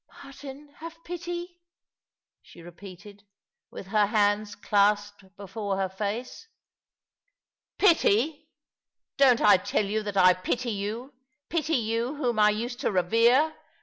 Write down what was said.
" Martin, have pity 1 " she repeated, with her hands clasped before her face. " Pity I Don't I tell you that I pity you— pity you whom I used to revere